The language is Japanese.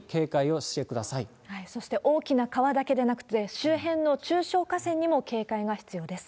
そして、大きな川だけではなくて周辺の中小河川にも警戒が必要です。